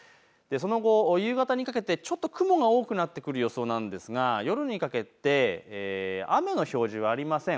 その後夕方にかけてちょっと雲が多くなってくる予想なんですが夜にかけて雨の表示はありません。